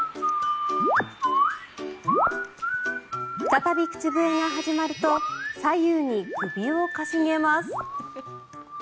再び口笛が始まると左右に首を傾げます。